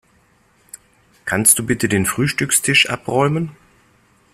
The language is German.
Kannst du bitte den Frühstückstisch abräumen?